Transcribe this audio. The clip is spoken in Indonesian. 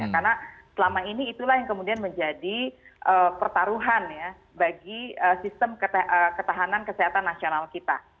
karena selama ini itulah yang kemudian menjadi pertaruhan ya bagi sistem ketahanan kesehatan nasional kita